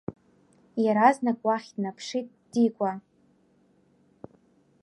Иаразнак уахь днаԥшит Дигәа.